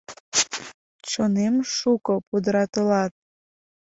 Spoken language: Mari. Чонем шуко пудыратылат.